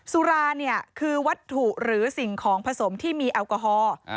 สุราเนี่ยคือวัตถุหรือสิ่งของผสมที่มีแอลกอฮอล์